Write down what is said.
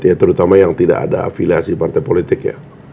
ya terutama yang tidak ada afiliasi partai politik ya